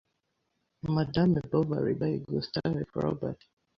Madame Bovary by Gustave Flaubert